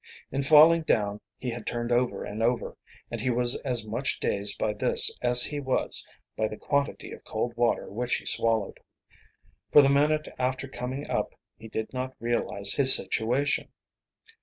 In falling down he had turned over and over, and he was as much dazed by this as he was by the quantity of cold water which he swallowed. For the minute after coming up he did not realize his situation.